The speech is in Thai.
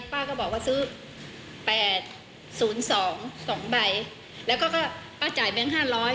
ป้าก็บอกว่าซื้อ๘๐๒สองใบแล้วก็ป้าจ่ายแบงค์ห้าร้อย